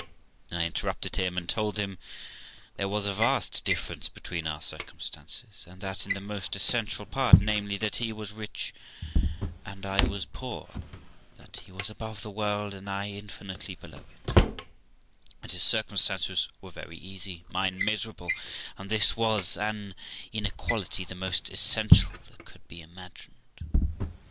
I interrupted him, and told him there was a vast difference between our circumstances, and that in the most essential part, namely, that he was rich and I was poor; that he was above the world, and I infinitely below it; that his circumstances were very easy, mine miserable, and this was an inequality the most essential that could be imagined.